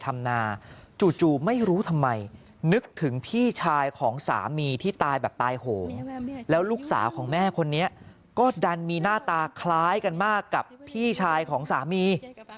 แม่คนนี้ก็ดันมีหน้าตาคล้ายกันมากกับพี่ชายของสามี